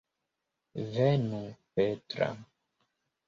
Venu, Petra.